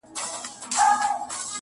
• هره سجده مي پر تندي ده ستا په نوم -